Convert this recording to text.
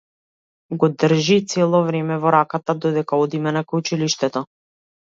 Го држи цело време во раката додека одиме накај училиштето.